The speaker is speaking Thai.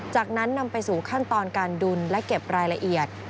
จากนั้นนำไปสู่ขั้นตอนการดุลและเก็บรายละเอียด